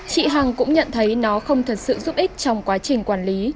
chị hằng cũng nhận thấy nó không thật sự giúp ích trong quá trình quản lý